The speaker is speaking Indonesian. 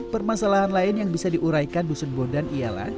permasalahan lain yang bisa diuraikan dusun bondan ialah